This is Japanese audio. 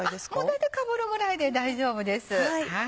大体かぶるぐらいで大丈夫です。